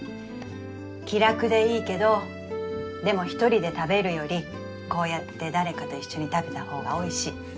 気楽でいいけどでも１人で食べるよりこうやって誰かと一緒に食べた方がおいしい。